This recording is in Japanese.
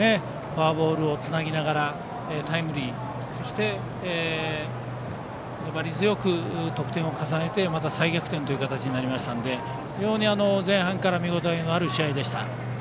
フォアボールをつなぎながらタイムリーそして、粘り強く得点を重ねてまた再逆転という形になりましたので非常に前半から見応えのある試合でした。